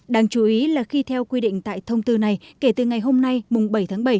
đáng chú ý là khi theo quy định tại thông tư này kể từ ngày hôm nay mùng bảy tháng bảy